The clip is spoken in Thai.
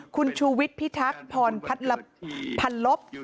คุณชูวิทย์พิทักษ์พรพันลบ